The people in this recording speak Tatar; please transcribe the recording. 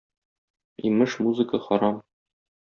Имеш, музыка харам!